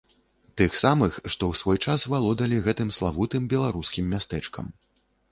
Тых самых, што ў свой час валодалі гэтым славутым беларускім мястэчкам.